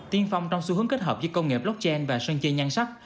tiên phong trong xu hướng kết hợp giữa công nghệ blockchain và sân chơi nhan sắc